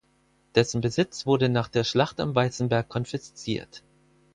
Dessen Besitz wurde nach der Schlacht am Weißen Berg konfisziert.